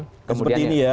seperti ini ya